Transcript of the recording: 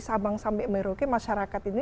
sabang sampai merauke masyarakat ini